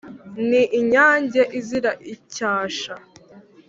ni inyange izira icyasha